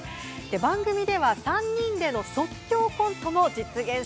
番組では３人での即興コントも実現。